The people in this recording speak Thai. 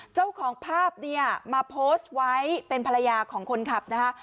เจ้าของภาพเนี่ยมาโพสต์ไว้เป็นภรรยาของคนขับนะคะ